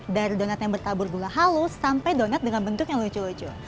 dari donat yang bertabur gula halus sampai donat dengan bentuk yang lucu lucu